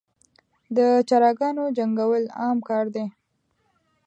دچراګانو جنګول عام کار دی.